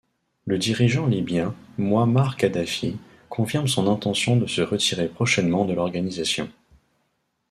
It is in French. Le dirigeant libyen, Mouammar Kadhafi, confirme son intention de se retirer prochainement de l’organisation.